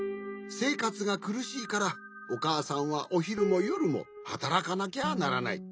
せいかつがくるしいからおかあさんはおひるもよるもはたらかなきゃならない。